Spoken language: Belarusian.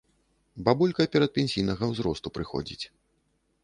Бабулька перадпенсійнага ўзросту прыходзіць.